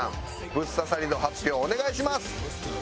ブッ刺さり度発表お願いします！